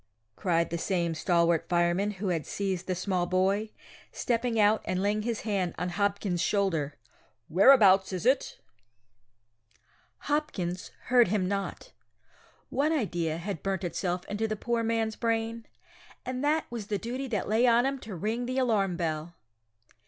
cried the same stalwart fireman who had seized the small boy, stepping out and laying his hand on Hopkins's shoulder, whereabouts is it? Hopkins heard him not. One idea had burnt itself into the poor man's brain, and that was the duty that lay on him to ring the alarm bell!